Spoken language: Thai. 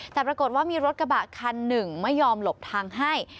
แต่ปรากฏว่ามีรถกระบะคันหนึ่งไม่ยอมหลบทางให้